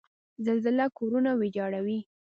زلزله کورونه ویجاړوي.